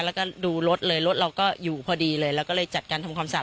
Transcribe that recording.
แล้วก็ดูรถเลยรถเราก็อยู่พอดีเลยเราก็เลยจัดการทำความสะอา